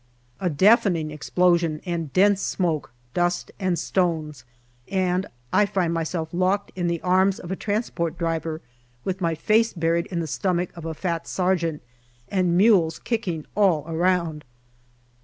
A deafening explosion and dense smoke, dust, and stones, and I find myself locked in the arms of a transport driver with my face buried in the stomach of a fat sergeant, and mules kicking all round.